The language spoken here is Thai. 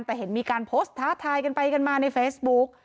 แต่เห็นมีการโพสต์ท้าทายกันไปกันมาในเฟซบุ๊ก